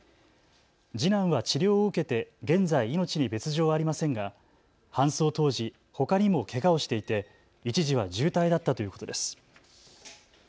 次男は治療を受けて現在、命に別状はありませんが搬送当時、ほかにもけがをしていて一時は重体だったということです。